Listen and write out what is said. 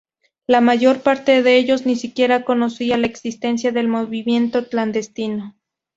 La mayor parte de ellos ni siquiera conocía la existencia del movimiento clandestino.